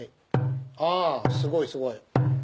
あすごいすごい。